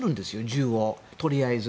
銃を、とりあえず。